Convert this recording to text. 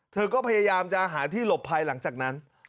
เธอก็พยายามจะหาที่หลบภัยหลังจากนั้น